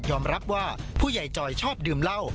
รับว่าผู้ใหญ่จอยชอบดื่มเหล้า